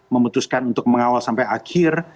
memutuskan untuk mengawal sampai akhir